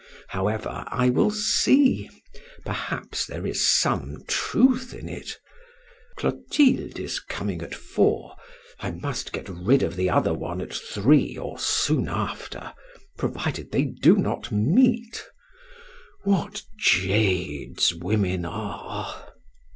However, I will see, perhaps there is some truth in it. Clotilde is coming at four, I must get rid of the other one at three or soon after, provided they do not meet. What jades women are!"